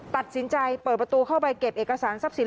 ตัดสินใจเปิดประตูเข้าไปเก็บเอกสารทรัพย์สิน